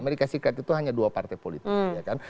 amerika serikat itu hanya dua partai politik ya kan